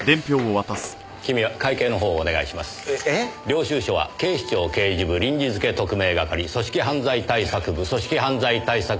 領収書は「警視庁刑事部臨時付特命係組織犯罪対策部組織犯罪対策